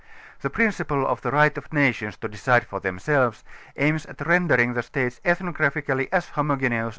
The prin ciple of the right of nations to decide for lliemselves aims 2 18 at rendering the states ethuograpliically as homogeneous a.